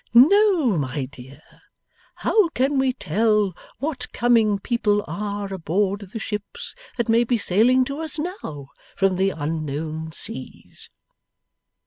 'No, my dear. How can we tell what coming people are aboard the ships that may be sailing to us now from the unknown seas!